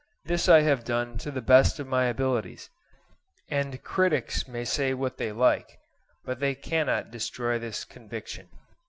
This I have done to the best of my abilities, and critics may say what they like, but they cannot destroy this conviction.